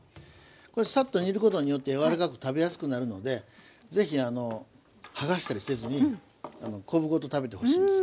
これサッと煮ることによってやわらかく食べやすくなるのでぜひ剥がしたりせずに昆布ごと食べてほしいです。